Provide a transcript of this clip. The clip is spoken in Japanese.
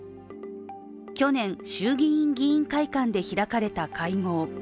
去年、衆議院議員会館で開かれた会合。